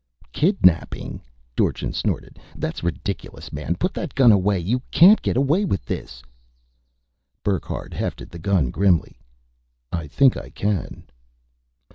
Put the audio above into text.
"Kidnapping?" Dorchin snorted. "That's ridiculous, man! Put that gun away you can't get away with this!" Burckhardt hefted the gun grimly. "I think I can."